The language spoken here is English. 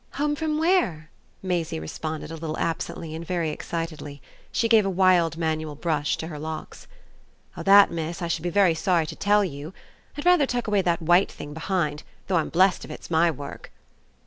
"Home from where?" Maisie responded a little absently and very excitedly. She gave a wild manual brush to her locks. "Oh that, miss, I should be very sorry to tell you! I'd rather tuck away that white thing behind though I'm blest if it's my work."